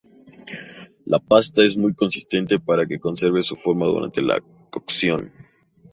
La pasta es muy consistente para que conserve su forma durante la cocción.